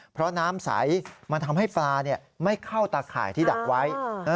เพราะน้ำใสมันทำให้ปลาไม่เข้าตาข่ายที่ดักไว้